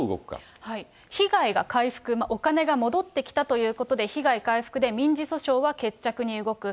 被害が回復、お金が戻ってきたということで、被害回復で、民事訴訟は決着に動く。